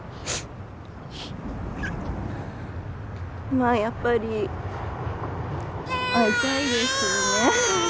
まあやっぱり会いたいですけどね。